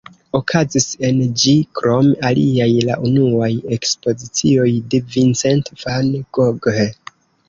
Okazis en ĝi krom aliaj la unuaj ekspozicioj de Vincent van Gogh.